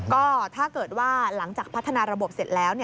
ก็ถ้าเกิดว่าหลังจากพัฒนาระบบเสร็จแล้ว